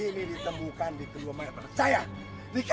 terima kasih dan lagi maaf penyayang